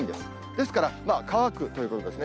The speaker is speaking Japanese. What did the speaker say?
ですから、乾くということですね。